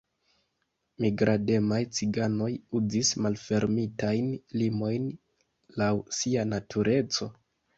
Migrademaj ciganoj uzis malfermitajn limojn laŭ sia natureco.